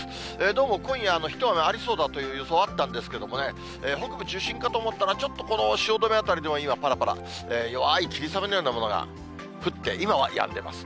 どうも今夜、一雨ありそうだという予想あったんですけれどもね、北部中心かと思ったら、ちょっとこの汐留辺りでも、今、ぱらぱら、弱い霧雨のようなものが降って、今はやんでます。